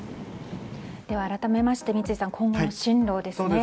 改めまして三井さん今後の進路ですね。